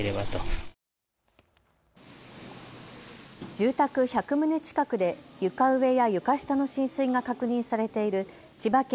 住宅１００棟近くで床上や床下の浸水が確認されている千葉県